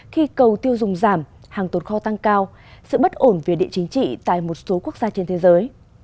khi cầu tiêu dùng giảm hàng tồn kho tăng cao sự bất ổn về địa chính trị tại một số quốc gia trên thế giới